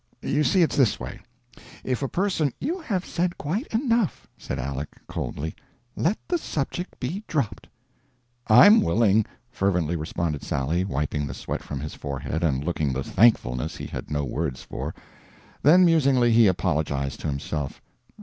You see, it's this way. If a person " "You have said quite enough," said Aleck, coldly; "let the subject be dropped." "I'm willing," fervently responded Sally, wiping the sweat from his forehead and looking the thankfulness he had no words for. Then, musingly, he apologized to himself.